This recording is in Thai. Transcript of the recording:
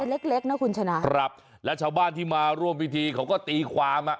เล็กเล็กนะคุณชนะครับและชาวบ้านที่มาร่วมพิธีเขาก็ตีความอ่ะ